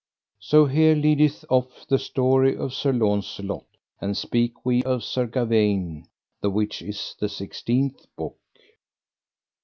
_Here leaveth off the story of Sir Launcelot, and speak we of Sir Gawaine, the which is the sixteenth book.